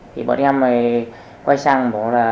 thì bọn em quay sang